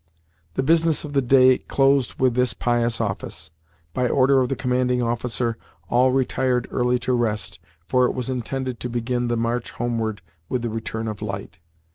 The business of the day closed with this pious office. By order of the commanding officer, all retired early to rest, for it was intended to begin the march homeward with the return of light.